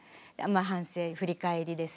反省振り返りですよね。